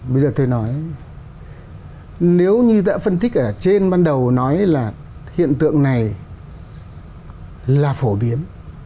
bây giờ tôi nói nếu như đã phân tích ở trên ban đầu nói là hiện tượng này là phổ biến